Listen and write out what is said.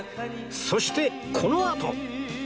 そしてこのあと